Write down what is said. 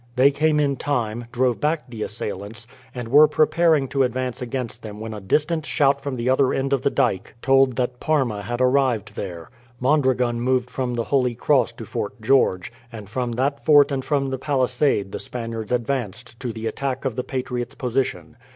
They came in time, drove back the assailants, and were preparing to advance against them when a distant shout from the other end of the dyke told that Parma had arrived there. Mondragon moved from the Holy Cross to Fort George; and from that fort and from the Palisade the Spaniards advanced to the attack of the patriots' position.